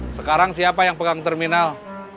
sekarang siapa yang pegang terminal